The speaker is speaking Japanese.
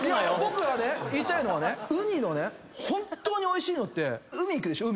僕はね言いたいのはねうにの本当においしいのって海行くでしょ。